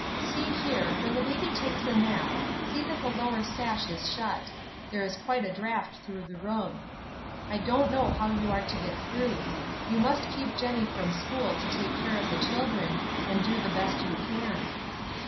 See here, when the baby takes a nap, see that the lower sash is shut there is quite a draught through the room. I don't know how you are to get through. You must keep Jennie from school to take care of the children, and do the best you can.